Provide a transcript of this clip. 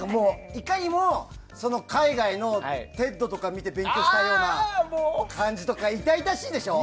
いかにも海外のＴＥＤとか見て勉強したような感じとか痛々しいでしょ。